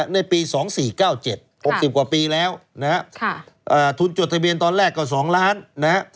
ในปี๒๔๙๗๖๐กว่าปีแล้วนะฮะทุนจดทะเบียนตอนแรกก็๒ล้านนะฮะ